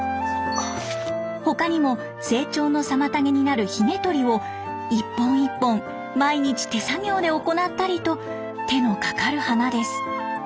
他にも成長の妨げになるヒゲ取りを一本一本毎日手作業で行ったりと手のかかる花です。